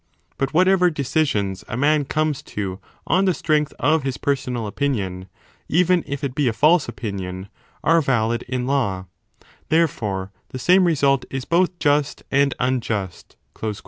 But what ever decisions a man comes to on the strength of his personal opinion, even if it be a false opinion, 2 are valid in 25 law: therefore the same result is both just and unjust.